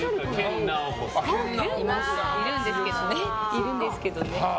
いるんですけどね。